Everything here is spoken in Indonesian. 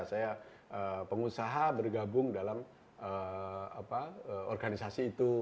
saya pengusaha bergabung dalam organisasi itu